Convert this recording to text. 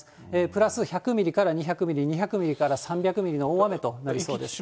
プラス１００ミリから２００ミリ、２００ミリから３００ミリの大雨となりそうです。